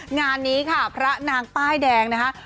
งานนี้ค่ะพระนางป้ายแดงนะคะ